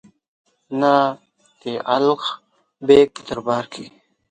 نه د الغ بېګ په دربار کې.